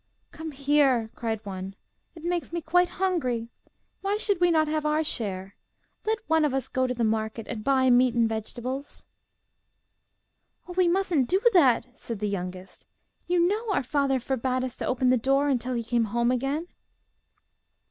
'Come here,' cried one. 'It makes me quite hungry! Why should not we have our share? Let one of us go to the market, and buy meat and vegetables.' 'Oh, we mustn't do that!' said the youngest. 'You know our father forbade us to open the door till he came home again.